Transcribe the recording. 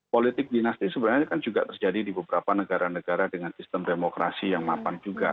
politik dinasti sebenarnya kan juga terjadi di beberapa negara negara dengan sistem demokrasi yang mapan juga